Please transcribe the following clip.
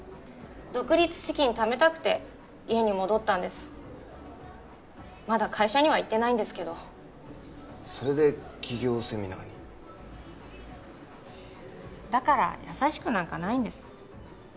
独立資金ためたくて家に戻ったんですまだ会社には言ってないんですけどそれで起業セミナーにだから優しくなんかないんです